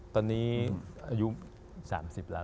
ตอนนี้อายุ๓๐แล้ว